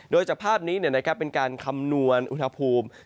โดยจากภาพนี้เป็นการคำนวณอุณหภูมิ